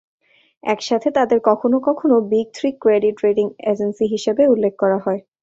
একসাথে, তাদের কখনও কখনও big three credit rating agency হিসাবে উল্লেখ করা হয়।